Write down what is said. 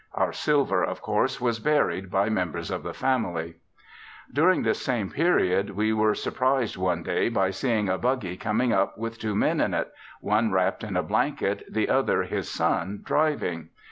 Our silver of course was buried by members of the family. During this same period we were surprised one day by seeing a buggy coming up with two men in it, one wrapped in a blanket, the other, his son, driving.